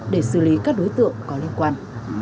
để xử lý các đối tượng có liên quan